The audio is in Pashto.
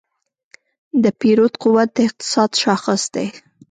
د پیرود قوت د اقتصاد شاخص دی.